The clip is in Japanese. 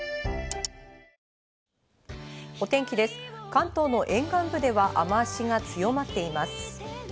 関東の沿岸部では雨脚が強まっています。